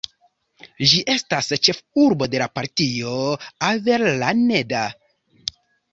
Ĝi estas ĉefurbo de la Partio Avellaneda.